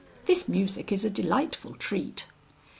"(This music is a delightful treat.)"